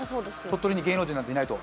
鳥取に芸能人なんていないと。